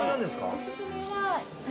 おすすめは。